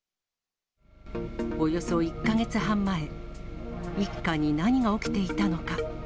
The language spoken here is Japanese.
およそ１か月半前、一家に何が起きていたのか。